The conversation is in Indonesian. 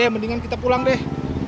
mendingan kita pulang deh